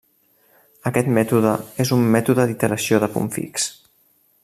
Aquest mètode és un mètode d'iteració de punt fix.